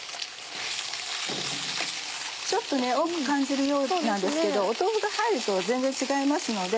ちょっと多く感じるようなんですけど豆腐が入ると全然違いますので。